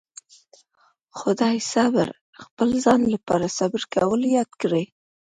خدای صبر خپل ځان لپاره صبر کول ياد کړي.